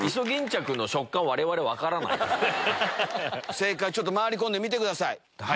正解回り込んで見てください。